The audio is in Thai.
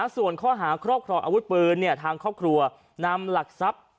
ส่วนข้อหาครอบครองอาวุธปืนทางครอบครัวนำหลักทรัพย์